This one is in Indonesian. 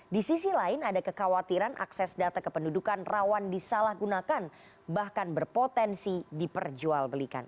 di sisi lain ada kekhawatiran akses data kependudukan rawan disalahgunakan bahkan berpotensi diperjualbelikan